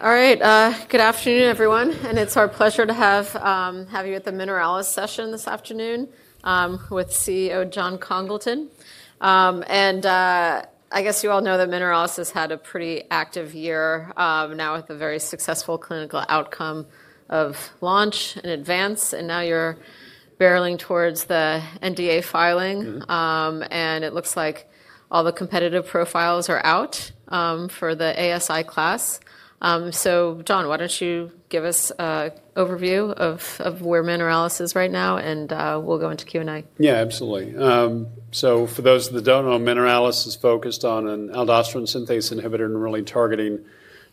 All right, good afternoon, everyone. It is our pleasure to have you at the Mineralys session this afternoon with CEO Jon Congleton. I guess you all know that Mineralys has had a pretty active year now with a very successful clinical outcome of Launch and Advance. Now you are barreling towards the NDA filing and it looks like all the competitive profiles are out for the ASI class. John, why do you not give us an overview of where Mineralys is right now and we will go into Q and A. Yeah, absolutely. For those that don't know, Mineralys is focused on an aldosterone synthase inhibitor and really targeting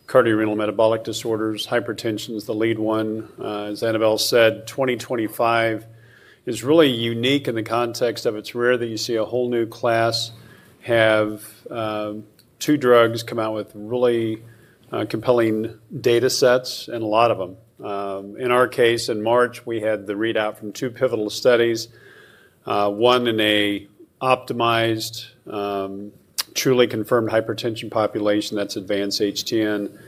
cardiorenal metabolic disorders. Hypertension is the lead one, as Annabel said. 2025 is really unique in the context of it's rare that you see a whole new class have two drugs come out with really compelling data sets. In our case, in March, we had the readout from two pivotal studies. One in an optimized, truly confirmed hypertension population, that's Advance-HTN.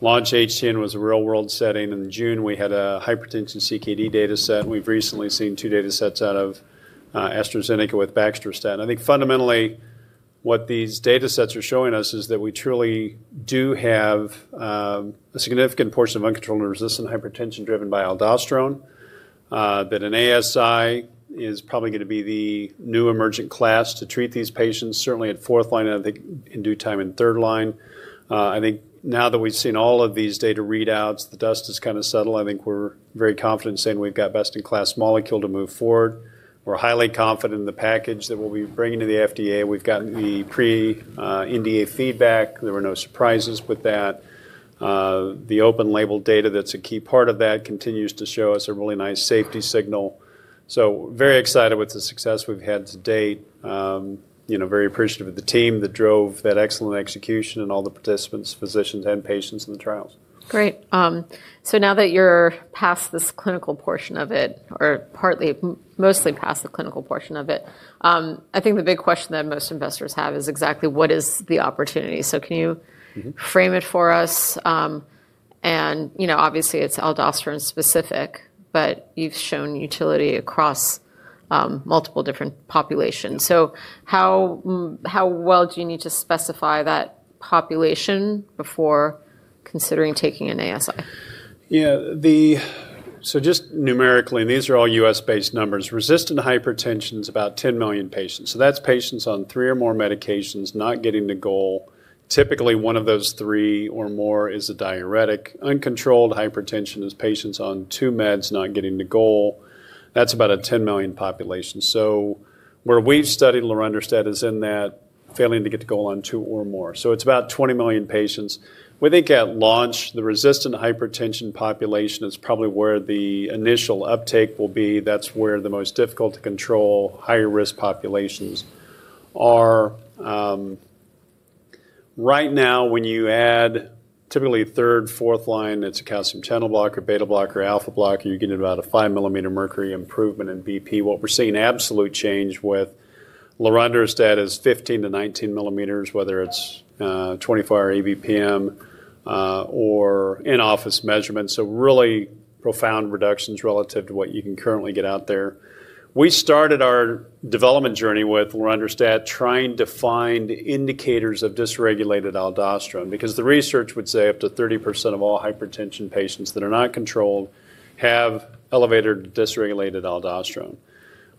Launch-HTN was a real world setting. In June, we had a hypertension CKD data set. We've recently seen two data sets out of AstraZeneca with Baxdrostat. I think fundamentally what these data sets are showing us is that we truly do have a significant portion of uncontrolled and resistant hypertension driven by aldosterone. That an ASI is probably going to be the new emergent class to treat these patients, certainly at fourth line and I think in due time in third line. I think now that we've seen all of these data readouts, the dust is kind of settled. I think we're very confident saying we've got best in class molecule to move forward. We're highly confident in the package that we'll be bringing to the FDA. We've gotten the pre-NDA feedback. There were no surprises with that. The open label data that's a key part of that continues to show us a really nice safety signal. Very excited with the success we've had to date. You know, very appreciative of the team that drove that excellent execution and all the participants, physicians and patients in the trials. Great. Now that you're past this clinical portion of it, or partly mostly past the clinical portion of it, I think the big question that most investors have is exactly what is the opportunity? Can you frame it for us? Obviously it's aldosterone specific, but you've shown utility across multiple different populations. How well do you need to specify that population before considering taking an ASI? Yeah, the. So just numerically, these are all U.S. based numbers. Resistant hypertension is about 10 million patients. So that's patients on three or more medications not getting the goal. Typically one of those three or more is a diuretic. Uncontrolled hypertension is patients on two meds not getting the goal. That's about a 10 million population. So we, where we've studied lorundrostat is in that failing to get the goal on two or more. So it's about 20 million patients. We think at launch. The resistant hypertension population is probably where the initial uptake will be. That's where the most difficult to control higher risk populations are. Right now, when you add typically third, fourth line, it's a calcium channel blocker, beta blocker, alpha blocker, you're getting about a 5 millimeter mercury improvement in BP. What we're seeing, absolute change with lorundrostat is 15-19 millimeters, whether it's 24 hour EVPM or in office measurements. Really profound reductions relative to what you can currently get out there. We started our development journey with lorundrostat trying to find indicators of dysregulated aldosterone because the research would say up to 30% of all hypertension patients that are not controlled have elevated dysregulated aldosterone.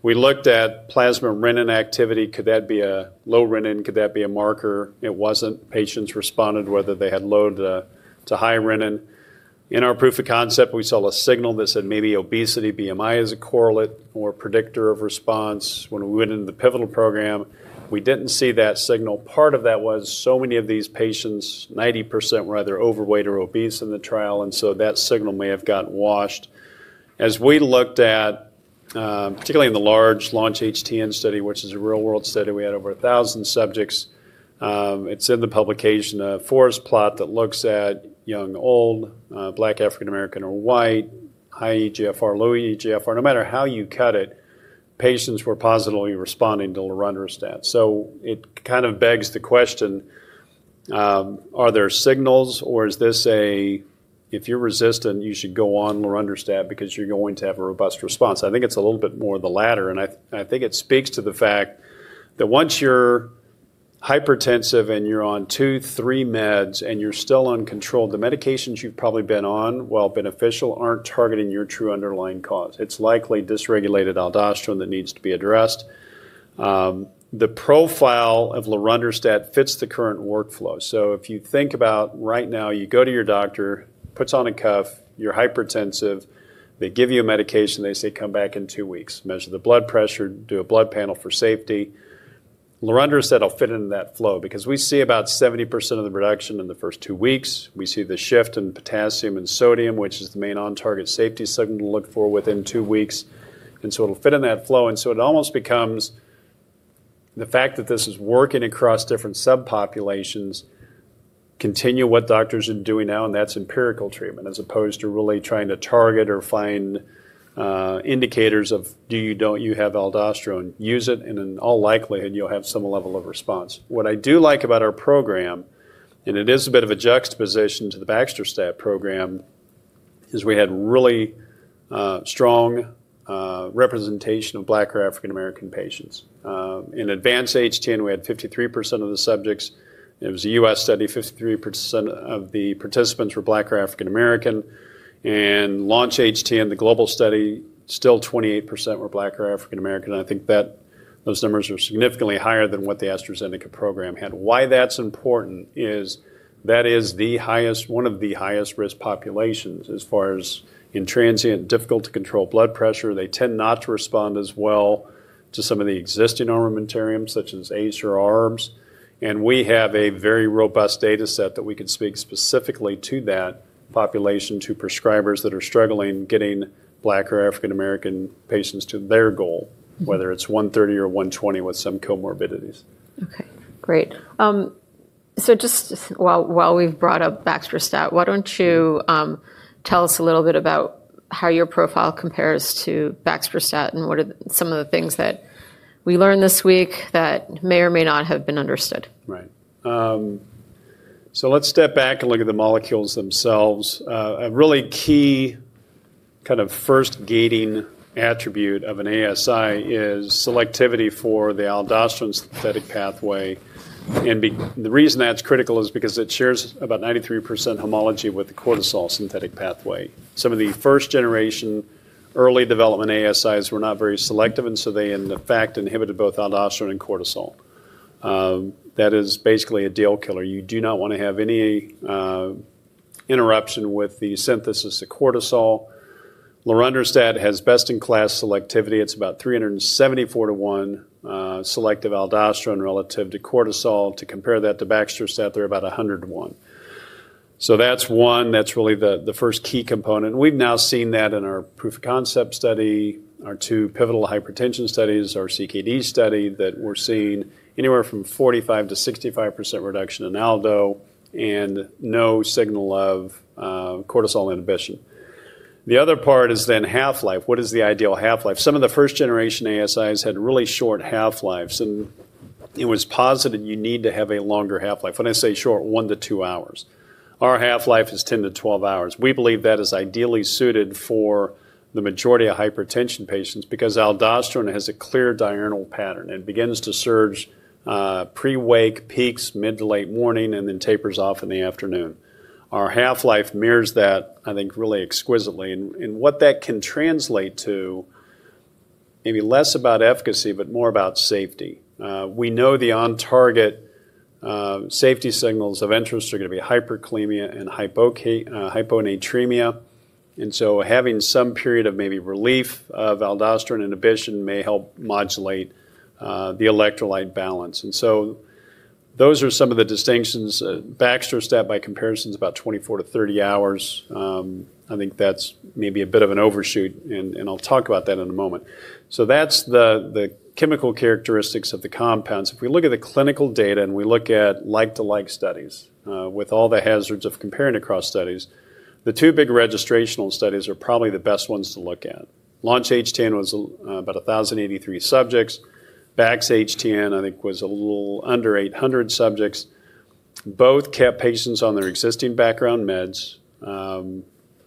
We looked at plasma renin activity. Could that be a low renin? Could that be a marker? It wasn't. Patients responded whether they had low to high renin. In our proof of concept, we saw a signal that said maybe obesity BMI is a correlate or predictor of response. When we went into the pivotal program, we didn't see that signal. Part of that was so many of these patients, 90% were either overweight or obese in the trial. That signal may have gotten washed. As we looked at, particularly in the large Launch-HTN study, which is a real world study, we had over 1,000 subjects. It's in the publication, a forest plot that looks at young, old, Black, African American or White. High eGFR, low eGFR, no matter how you cut it. Patients were positively responding to lorundrostat. It kind of begs the question, are there signals or is this a, if you're resistant, you should go on lorundrostat because you're going to have a robust response. I think it's a little bit more the latter and I think it speaks to the fact that once you're hypertensive and you're on two, three meds and you're still uncontrolled, the medications you've probably been on, while beneficial, aren't targeting your true underlying cause. It's likely dysregulated aldosterone that needs to be addressed. The profile of lorundrostat fits the current workflow. If you think about right now, you go to your doctor, puts on a cuff, you're hypertensive, they give you a medication, they say, come back in two weeks, measure the blood pressure, do a blood panel for safety. Lorundrostat will fit into that flow because we see about 70% of the reduction in the first two weeks. We see the shift in potassium and sodium, which is the main on-target safety signal to look for within two weeks. It will fit in that flow. It almost becomes the fact that this is working across different subpopulations. Continue what doctors are doing now, and that's empirical treatment as opposed to really trying to target or find indicators of. Do you, don't you have aldosterone? Use it and in all likelihood you'll have some level of response. What I do like about our program, and it is a bit of a juxtaposition to the Baxdrostat program, is we had really strong representation of Black or African American patients in Advance-HTN. We had 53% of the subjects. It was a U.S. study, 53% of the participants were Black or African American. In Launch-HTN, the global study, still 28% were Black or African American. I think that those numbers are significantly higher than what the AstraZeneca program had. Why that's important is that is the highest, one of the highest risk populations as far as intransient, difficult to control blood pressure. They tend not to respond as well to some of the existing armamentariums, such as ACE or ARBs. We have a very robust data set that we could speak specifically to that population, to prescribers that are struggling getting Black or African American patients to their goal, whether it's 130 or 120 with some comorbidities. Okay, great. Just while we've brought up Baxdrostat, why don't you tell us a little bit about how your profile compares to Baxdrostat? What are some of the things that we learned this week that may or may not have been understood? Right. Let's step back and look at the molecules themselves. A really key kind of first gating attribute of an ASI is selectivity for the aldosterone synthetic pathway. The reason that's critical is because it shares about 93% homology with the cortisol synthetic pathway. Some of the first generation early development ASIs were not very selective and so they in fact inhibited both aldosterone and cortisol. That is basically a deal killer. You do not want to have any interruption with the synthesis of cortisol. Lorundrostat has best in class selectivity. It's about 374 to 1 selective aldosterone relative to cortisol. To compare that to Baxdrostat, they're about 101. That's one, that's really the first key component. We've now seen that in our proof of concept study, our two pivotal hypertension studies, our CKD study, that we're seeing anywhere from 45-65% reduction in Aldo and no signal of cortisol inhibition. The other part is then half life. What is the ideal half life? Some of the first generation ASIs had really short half lives and it was posited you need to have a longer half life. When I say short one to two hours, our half life is 10-12 hours. We believe that is ideally suited for the majority of hypertension patients because aldosterone has a clear diurnal pattern. It begins to surge pre wake, peaks mid to late morning, and then tapers off in the afternoon. Our half life mirrors that I think really exquisitely and what that can translate to, maybe less about efficacy, but more about safety. We know the on target safety signals of interest are going to be hyperkalemia and hyponatremia. Having some period of maybe relief of aldosterone inhibition may help modulate the electrolyte balance. Those are some of the distinctions. Baxdrostat by comparison is about 24-30 hours. I think that's maybe a bit of an overshoot and I'll talk about that in a moment. That's the chemical characteristics of the compounds. If we look at the clinical data and we look at like to like studies with all the hazards of comparing across studies, the two big registrational studies are probably the best ones to look at. Launch-HTN was about 1,083 subjects. BaxHTN I think was a little under 800 subjects. Both kept patients on their existing background meds.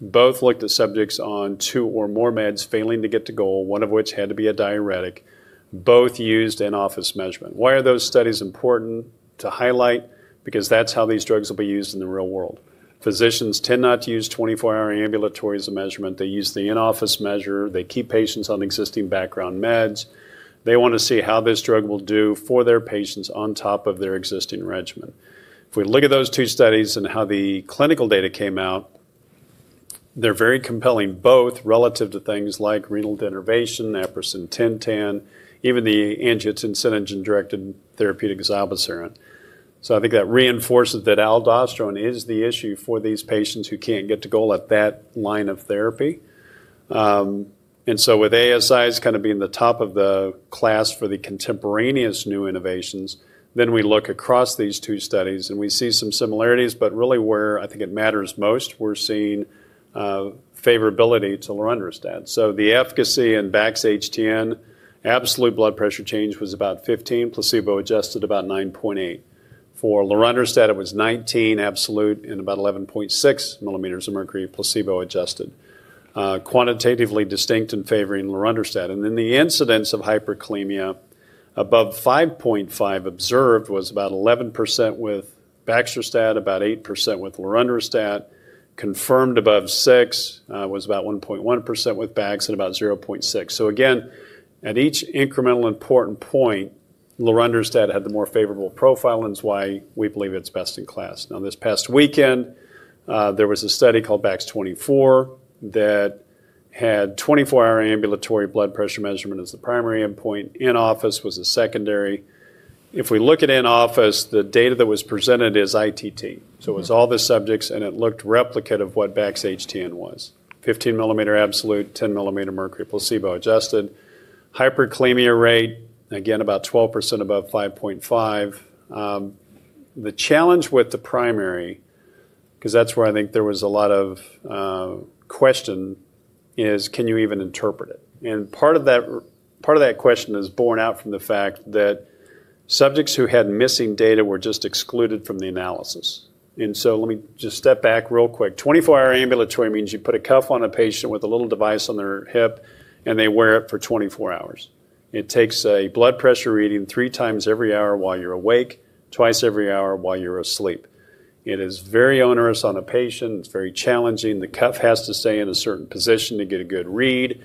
Both looked at subjects on two or more meds failing to get to goal, one of which had to be a diuretic. Both used in office measurement. Why are those studies important to highlight? Because that's how these drugs will be used in the real world. Physicians tend not to use 24 hour ambulatory as a measurement. They use the in office measure. They keep patients on existing background meds. They want to see how this drug will do for their patients on top of their existing regimen. If we look at those two studies and how the clinical data came out, they're very compelling, both relative to things like renal denervation, Naprosyn 1010, even the angiotensinogen directed therapeutic Zilebesiran. I think that reinforces that aldosterone is the issue for these patients who can't get to goal at that line of therapy. With ASI as kind of being the top of the class for the contemporaneous new innovations, we look across these two studies and we see some similarities. Really where I think it matters most, we're seeing favorability to lorundrostat. The efficacy in BaxHTN absolute blood pressure change was about 15, placebo adjusted about 9.8. For lorundrostat it was 19 absolute and about 11.6 millimeters of mercury, placebo adjusted, quantitatively distinct and favoring lorundrostat. The incidence of hyperkalemia above 5.5 observed was about 11% with Baxdrostat, about 8% with lorundrostat, confirmed above 6 was about 1.1% with BAX and about 0.6. At each incremental important point, lorundrostat had the more favorable profile and is why we believe it's best in class. Now this past weekend there was a study called BAX24 that had 24 hour ambulatory blood pressure measurement as the primary endpoint. In office was a secondary. If we look at in office, the data that was presented is ITT. So it was all the subjects and it looked replicate of what BaxHTN was. 15 millimeter absolute 10 millimeter mercury placebo adjusted hyperkalemia rate again about 12% above 5.5. The challenge with the primary, because that's where I think there was a lot of question is can you even interpret it? Part of that, part of that question is borne out from the fact that subjects who had missing data were just excluded from the analysis. Let me just step back real quick. 24 hour ambulatory means you put a cuff on a patient with a little device on their hip and they wear it for 24 hours. It takes a blood pressure reading three times every hour while you're awake, twice every hour while you're asleep. It is very onerous on a patient. It's very challenging. The cuff has to stay in a certain position to get a good read.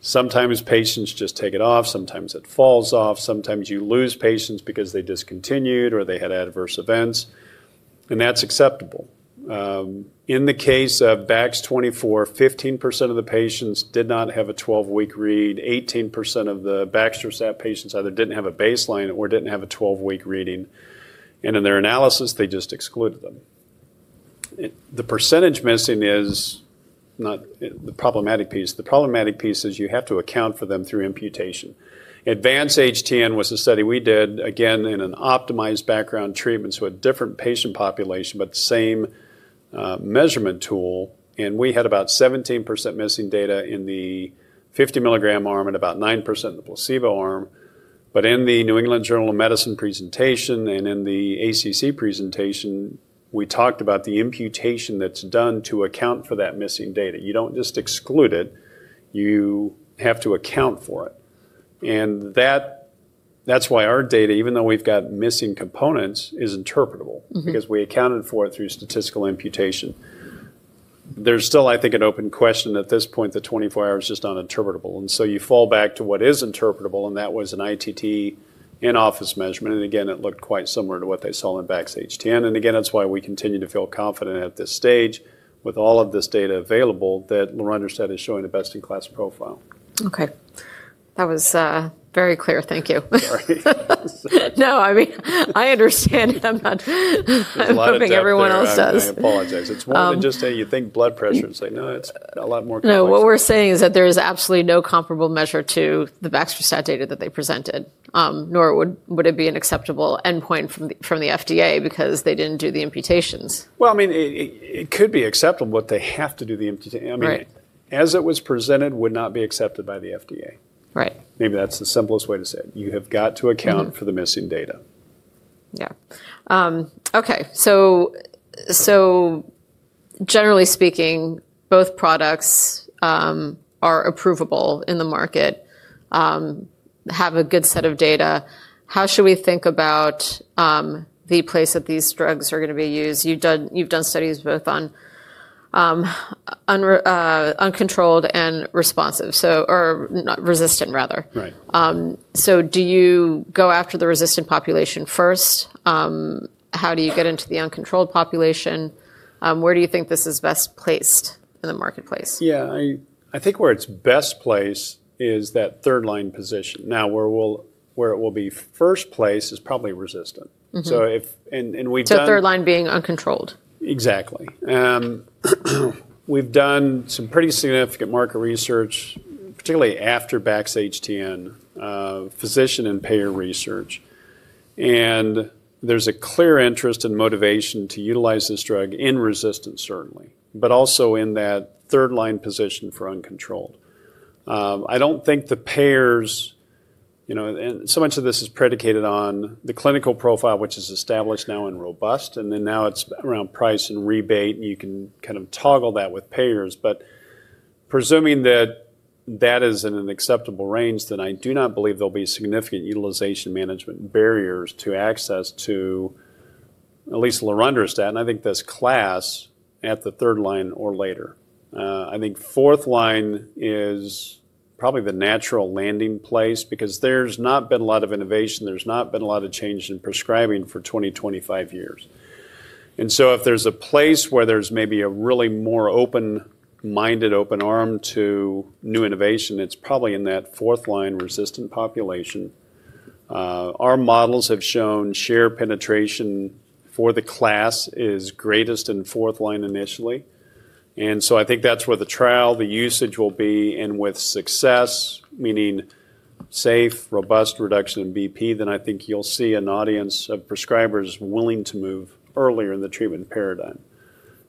Sometimes patients just take it off, sometimes it falls off. Sometimes you lose patients because they discontinued or they had adverse events, and that's acceptable. In the case of Baxdrostat, 24, 15% of the patients did not have a 12 week read. 18% of the Baxdrostat patients either didn't have a baseline or didn't have a 12 week reading. In their analysis they just excluded them. The percentage missing is not the problematic piece. The problematic piece is you have to account for them through imputation. Advance-HTN was a study we did again in an optimized background treatment. So a different patient population, but same measurement tool. And we had about 17% missing data in the 50 mg arm and about 9% in the placebo arm. But in the New England Journal of Medicine presentation and in the ACC presentation, we talked about the imputation that's done to account for that missing data. You don't just exclude it, you have to account for it. And that's why our data, even though we've got missing components, is interpretable because we accounted for it through statistical imputation. There's still, I think, an open question at this point that 24 hours just not interpretable. And so you fall back to what is interpretable. And that was an ITT Office measurement. It looked quite similar to what they saw in Baxdrostat H10. That is why we continue to feel confident at this stage with all of this data available, that lorundrostat is showing the best in class profile. Okay, that was very clear. Thank you. No, I mean, I understand. I'm hoping everyone else does. I apologize. It's more than just you think blood pressure and say no. It's a lot more complex. No, what we're saying is that there is absolutely no comparable measure to the Baxdrostat data that they presented, nor would it be an acceptable endpoint from the FDA because they didn't do the imputations. I mean, it could be acceptable, but they have to do the imputation as it was presented would not be accepted by the FDA. Right. Maybe that's the simplest way to say it. You have got to account for the missing data. Yeah. Okay. So generally speaking, both products are approvable in the market, have a good set of data. How should we think about the place that these drugs are going to be used? You've done studies both on uncontrolled and responsive or resistant rather. Do you go after the resistant population first? How do you get into the uncontrolled population? Where do you think this is best placed? In the marketplace? Yeah, I think where it's best placed is that third line position. Now, where it will be first place is probably resistant. The third line being uncontrolled. Exactly. We've done some pretty significant market research, particularly after Baxdrostat HTN physician and payer research and there's a clear interest and motivation to utilize this drug in resistant certainly. Also in that third line position for uncontrolled, I don't think the payers, you know, so much of this is predicated on the clinical profile which is established now and robust and then now it's around price and rebate and you can kind of toggle that with payers. Presuming that that is in an acceptable range, then I do not believe there'll be significant utilization management barriers to access to at least lorundrostat. I think this class at the third line or later, I think fourth line is probably the natural landing place because there's not been a lot of innovation, there's not been a lot of change in prescribing for 20-25 years. If there's a place where there's maybe a really more open minded, open arm to new innovation, it's probably in that fourth line resistant population. Our models have shown share penetration for the class is greatest in fourth line initially. I think that's where the trial, the usage will be and with success, meaning safe, robust reduction in bp, then I think you'll see an audience of prescribers willing to move earlier in the treatment paradigm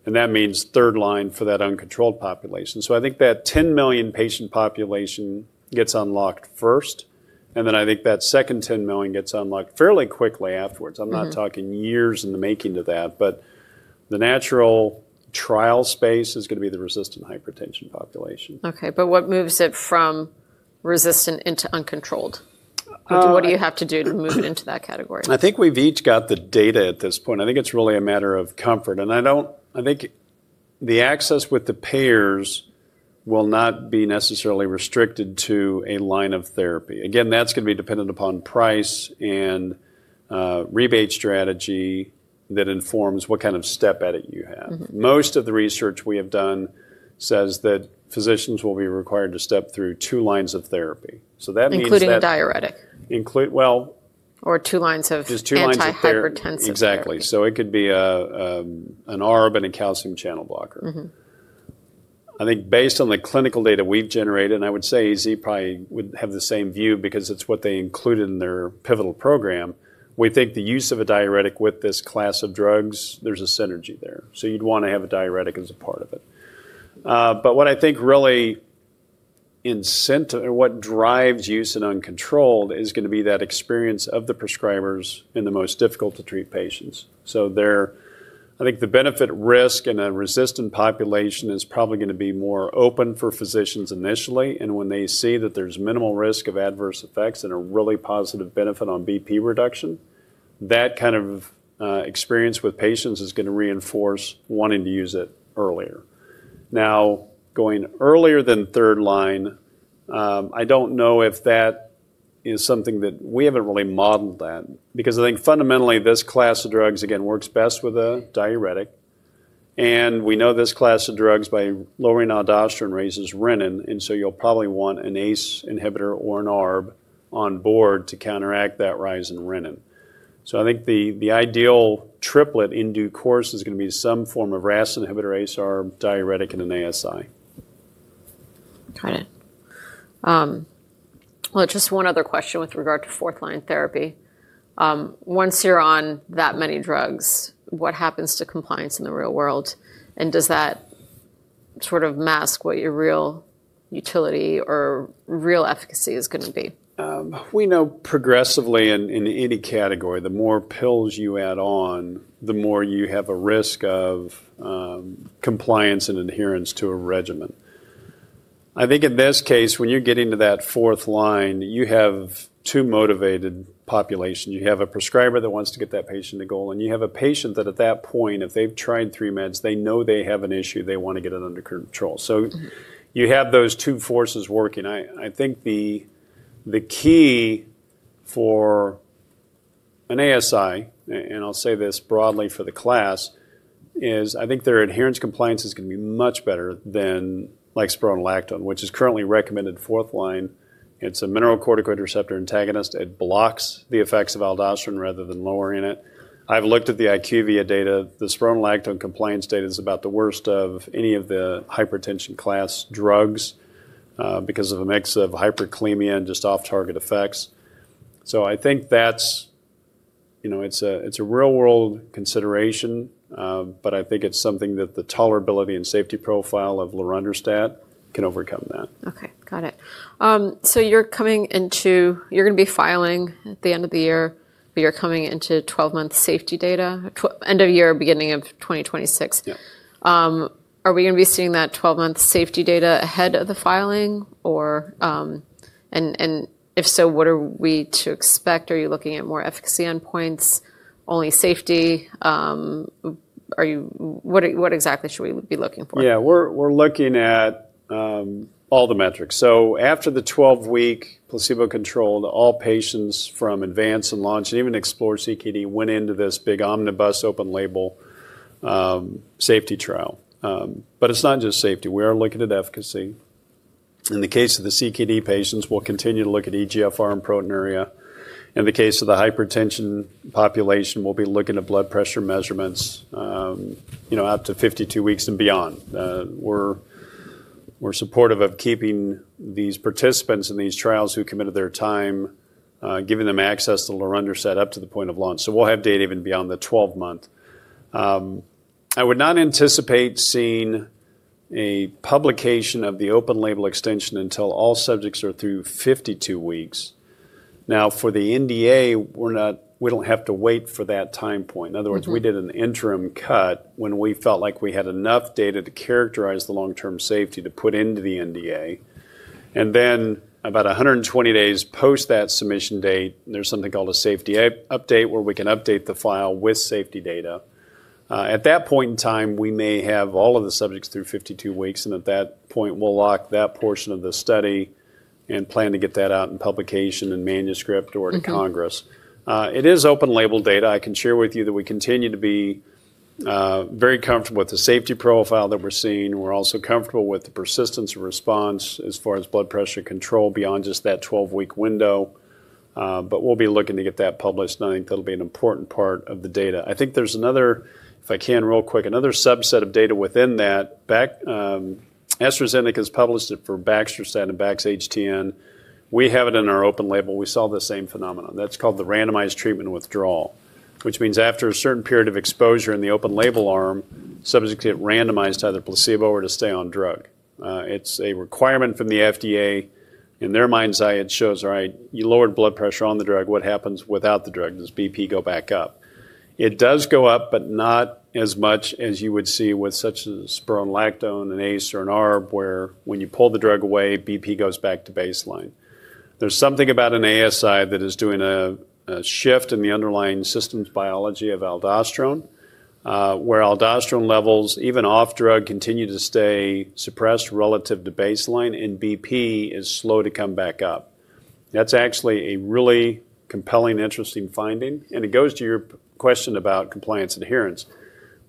and that means third line for that uncontrolled population. I think that 10 million patient population gets unlocked first and then I think that second 10 million gets unlocked fairly quickly afterwards. I'm not talking years in the making of that, but the natural trial space is going to be the resistant hypertension population. Okay, but what moves it from resistant into uncontrolled? What do you have to do to move into that category? I think we've each got the data at this point. I think it's really a matter of comfort and I don't, I think the access with the payers will not be necessarily restricted to a line of therapy. Again that's going to be dependent upon price and rebate strategy that informs what kind of step edit you have. Most of the research we have done says that physicians will be required to step through two lines of therapy. That means including diuretic, or two lines of antihypertensive. Exactly. So it could be an ARB and a calcium channel blocker. I think based on the clinical data we've generated, and I would say Z probably would have the same view because it's what they included in their pivotal program. We think the use of a diuretic with this class of drugs, there's a synergy there. You'd want to have a diuretic as a part of it. What I think really incentive, what drives use and uncontrolled is going to be that experience of the prescribers in the most difficult to treat patients. I think the benefit risk in a resistant population is probably gonna be more open for physicians initially. When they see that there's minimal risk of adverse effects and a really positive benefit on BP reduction, that kind of experience with patients is gonna reinforce wanting to use it earlier. Now, going earlier than third line. I don't know if that is something that we haven't really modeled that because I think fundamentally this class of drugs again works best with a diuretic. We know this class of drugs, by lowering aldosterone, raises renin. You'll probably want an ACE inhibitor or an ARB on board to counteract that rise in renin. I think the ideal triplet in due course is going to be some form of RAS inhibitor as ARB, diuretic, and an ASI. Got it. Just one other question with regard to fourth line therapy. Once you're on that many drugs, what happens to compliance in the real world? And does that sort of mask what your real utility or real efficacy is going to be? We know progressively in any category, the more pills you add on, the more you have a risk of compliance and adherence to a regimental. I think in this case, when you're getting to that fourth line, you have two motivated population. You have a prescriber that wants to get that patient to goal, and you have a patient that at that point, if they've tried three meds, they know they have an issue, they want to get it under control. You have those two forces working. I think the key for an ASI, and I'll say this broadly for the class, is I think their adherence compliance is going to be much better than like spironolactone, which is currently recommended. Fourth line, it's a mineralocorticoid receptor antagonist. It blocks the effects of aldosterone rather than lowering it. I've looked at the IQVIA data, the spironolactone compliance data is about the worst of any of the hypertension class drugs because of a mix of hyperkalemia and just off target effects. I think that's, you know, it's a real world consideration, but I think it's something that the tolerability and safety profile of lorundrostat can overcome that. Okay, got it. So you're coming into, you're gonna be filing at the end of the year, but you're coming into 12 month safety data end of year, beginning of 2026. Are we gonna be seeing that 12 month safety data ahead of the filing, or and if so, what are we to expect? Are you looking at more efficacy endpoints only? Safety, what exactly should we be looking for? Yeah, we're looking at all the metrics. After the 12 week placebo-controlled, all patients from Advance and Launch and even Explore-CKD went into this big omnibus open label safety trial. It's not just safety. We are looking at efficacy. In the case of the CKD patients, we'll continue to look at eGFR and proteinuria. In the case of the hypertension population, we'll be looking at blood pressure measurements up to 52 weeks and beyond. We're supportive of keeping these participants in these trials who committed their time, giving them access to lorundrostat up to the point of launch. We'll have data even beyond the 12 month. I would not anticipate seeing a publication of the open label extension until all subjects are through 52 weeks. Now for the NDA, we don't have to wait for that time point. In other words, we did an interim cut when we felt like we had enough data to characterize the long term safety to put into the NDA. About 120 days post that submission date, there's something called a safety update where we can update the file with safety data. At that point in time, we may have all of the subjects through 52 weeks and at that point we'll lock that portion of the study and plan to get that out in publication, in manuscript or to Congress. It is open label data. I can share with you that we continue to be very comfortable with the safety profile that we're seeing. We're also comfortable with the persistence of response as far as blood pressure control beyond just that 12 week window. We will be looking to get that published and I think that'll be an important part of the data. I think there's another, if I can real quick, another subset of data within that. AstraZeneca has published it for Baxdrostat and Baxhtn. We have it in our open label. We saw the same phenomenon that's called the randomized treatment withdrawal, which means after a certain period of exposure in the open label arm, subjects get randomized to either placebo or to stay on drug. It's a requirement from the FDA. In their mind's eye, it shows. All right, you lowered blood pressure on the drug. What happens without the drug? Does BP go back up? It does go up, but not as much as you would see with such a spironolactone, an ACE or an ARB, where when you pull the drug away, BP goes back to baseline. There's something about an ASI that is doing a shift in the underlying systems biology of aldosterone, where aldosterone levels, even off drug, continue to stay suppressed relative to baseline and BP is slow to come back up. That's actually a really compelling, interesting finding. It goes to your question about compliance adherence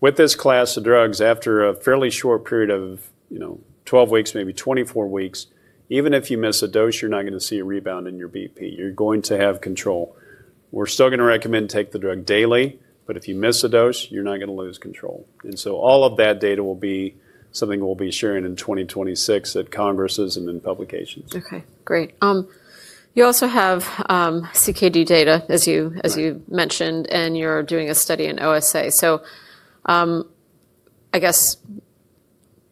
with this class of drugs. After a fairly short period of, you know, 12 weeks, maybe 24 weeks, even if you miss a dose, you're not going to see a rebound in your BP. You're going to have control. We're still going to recommend take the drug daily, but if you miss a dose, you're not going to lose control. All of that data will be something we'll be sharing in 2026 at Congresses and in publications. Okay, great. You also have CKD data, as you mentioned, and you're doing a study in OSA. I guess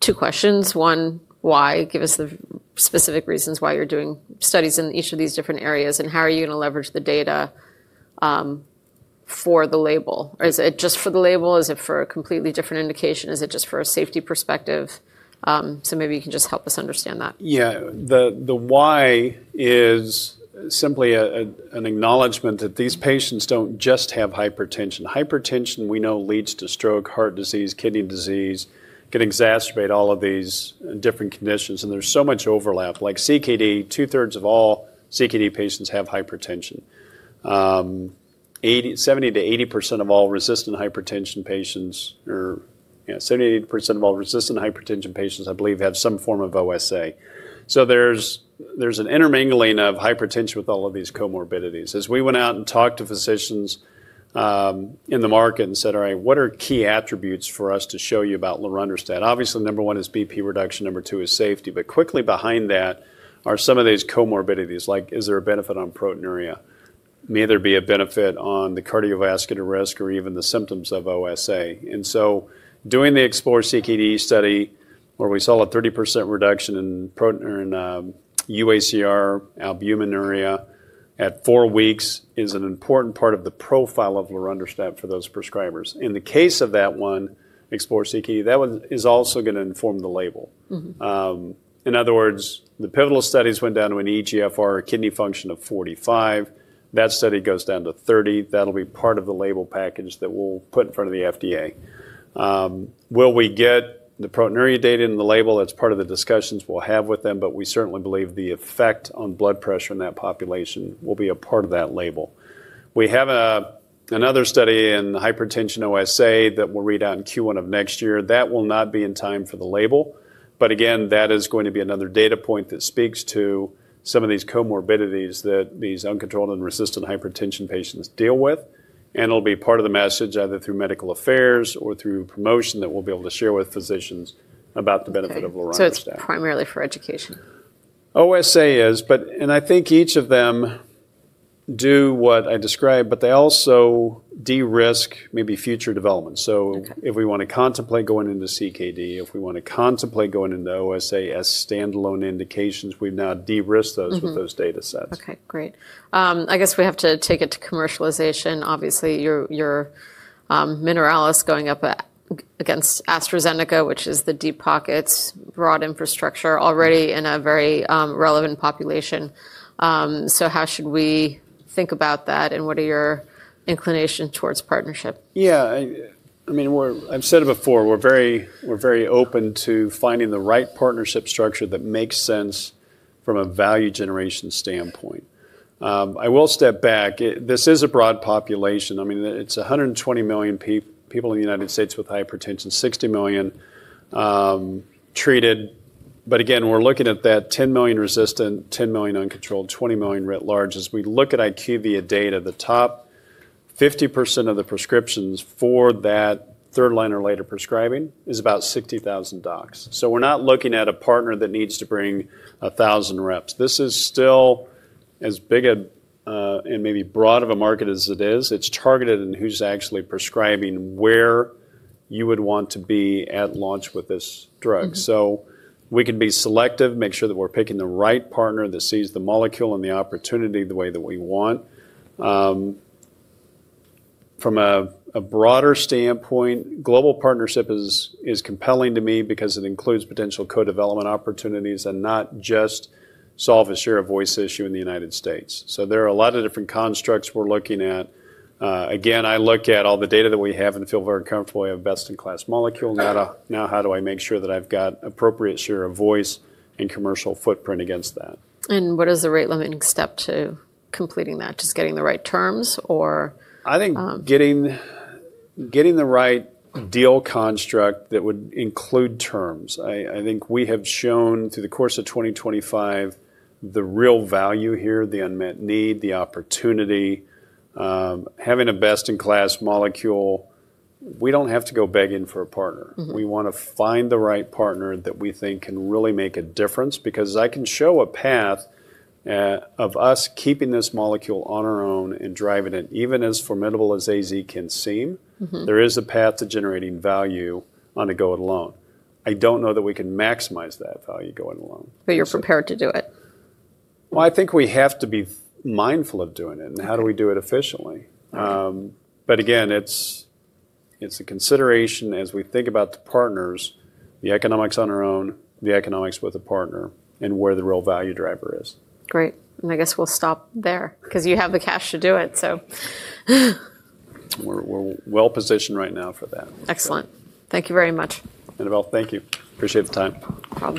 two questions. One, why? Give us the specific reasons why you're doing studies in each of these different areas? How are you going to leverage the data for the label? Is it just for the label? Is it for a completely different indication? Is it just for a safety perspective? Maybe you can just help us understand that. Yeah, the why is simply an acknowledgement that these patients don't just have hypertension. Hypertension, we know, leads to stroke, heart disease, kidney disease, can exacerbate all of these different conditions. There is so much overlap like CKD. Two thirds of all CKD patients have hypertension. 70%-80% of all resistant hypertension patients, or 78% of all resistant hypertension patients, I believe, have some form of OSA. There is an intermingling of hypertension with all of these comorbidities. As we went out and talked to physicians in the market and said, all right, what are key attributes for us to show you about lorundrostat, obviously, number one is BP reduction, number two is safety. Quickly behind that are some of these comorbidities, like is there a benefit on proteinuria? May there be a benefit on the cardiovascular risk or even the symptoms of OSA? Doing the Explore-CKD study, where we saw a 30% reduction in UACR albuminuria at four weeks, is an important part of the profile of lorundrostat for those prescribers. In the case of that one, Explore-CKD, that one is also going to inform the label. In other words, the pivotal studies went down to an eGFR or kidney function of 45. That study goes down to 30. That will be part of the label package that we will put in front of the FDA. Will we get the proteinuria data in the label? That is part of the discussions we will have with them. We certainly believe the effect on blood pressure in that population will be a part of that label. We have another study in hypertension OSA that will read out in Q1 of next year that will not be in time for the label. Again, that is going to be another data point that speaks to some of these comorbidities that these uncontrolled and resistant hypertension patients deal with. It'll be part of the message, either through medical affairs or through promotion, that we'll be able to share with physicians about the benefit of lorundrostat, primarily for education. OSA is, and I think each of them do what I described, but they also de-risk maybe future development. If we want to contemplate going into CKD, if we want to contemplate going into OSA as standalone indications, we've now de-risked those with those data sets. Okay, great. I guess we have to take it to commercialization. Obviously, you're Mineralys going up against AstraZeneca, which is the deep pockets, broad infrastructure already in a very relevant population. How should we think about that and what are your inclinations towards partnership? Yeah, I mean, I've said it before. We're very open to finding the right partnership structure. That makes sense from a value generation standpoint. I will step back. This is a broad population. I mean, it's 120 million people in the United States with hypertension, 60 million treated. Again, we're looking at that 10 million resistant, 10 million uncontrolled, 20 million writ large. As we look at IQVIA data, the top 50% of the prescriptions for that third line or later prescribing is about 60,000 docs so we're not looking at a partner that needs to bring thousand reps. This is still as big and maybe broad of a market as it is. It's targeted in who's actually prescribing where you would want to be at launch with this drug. We can be selective, make sure that we're picking the right partner that sees the molecule and the opportunity the way that we want. From a broader standpoint, global partnership is compelling to me because it includes potential co development opportunities and not just solve a share of voice issue in the United States. There are a lot of different constructs we're looking at. Again I look at all the data that we have and feel very comfortable. I have best in class molecule now how do I make sure that I've got appropriate share of voice and commercial footprint against that and what is the. Rate limiting step to completing that? Just getting the right terms or I. Think getting the right deal construct that would include terms. I think we have shown through the course of 2025 the real value here, the unmet need, the opportunity. Having a best in class molecule, we do not have to go begging for a partner. We want to find the right partner that we think can really make a difference. Because I can show a path of us keeping this molecule on our own and driving it. Even as formidable as AZ can seem, there is a path to generating value on the go. It alone I do not know that we can maximize that value going along. You're prepared to do it? I think we have to be mindful of doing it and how do we do it efficiently. Again, it's a consideration as we think about the partners, the economics on our own, the economics with the partner, and where the real value driver is great. I guess we'll stop there because you have the cash to do it. We're well positioned right now for that. Excellent. Thank you very much Annabel. Thank you. Appreciate the time.